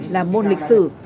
làm môn lịch sử